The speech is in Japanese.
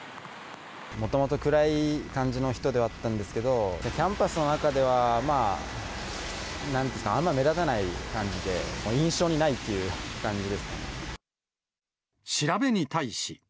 もともと暗い感じの人ではあったんですけど、キャンパスの中ではあんま目立たない感じで、印象にないっていう調べに対し。